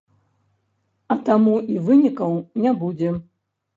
А таму і вынікаў не будзе.